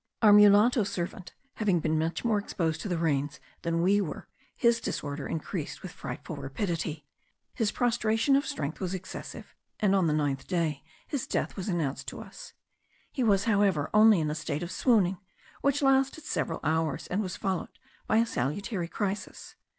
Our mulatto servant having been much more exposed to the rains than we were, his disorder increased with frightful rapidity. His prostration of strength was excessive, and on the ninth day his death was announced to us. He was however only in a state of swooning, which lasted several hours, and was followed by a salutary crisis.